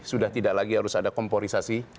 sudah tidak lagi harus ada komporisasi